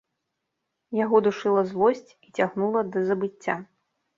Яго душыла злосць і цягнула да забыцця.